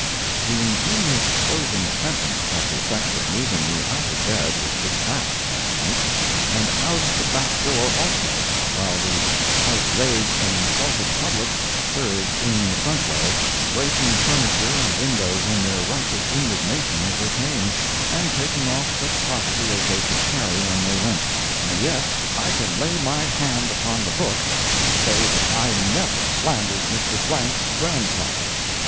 The ingenious closing sentence had the effect of moving me out of bed with despatch that night, and out at the back door also, while the "outraged and insulted public" surged in the front way, breaking furniture and windows in their righteous indignation as they came, and taking off such property as they could carry when they went. And yet I can lay my hand upon the Book and say that I never slandered Mr. Blank's grandfather.